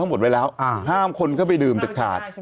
หมดไว้แล้วห้ามคนเข้าไปดื่มเด็ดขาด